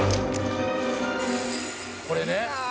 「これね」